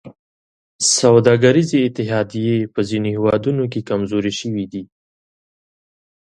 سوداګریزې اتحادیې په ځینو هېوادونو کې کمزورې شوي دي